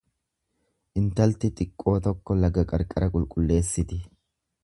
Intalti xiqqoo tokko laga qarqara qulqulleessiti.